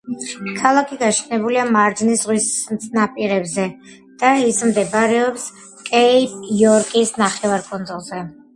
ქალაქი გაშენებულია მარჯნის ზღვის ნაპირებზე და ის მდებარეობს კეიპ-იორკის ნახევარკუნძულზე.